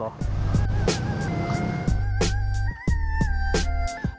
langkah saya kini tertuju ke salaman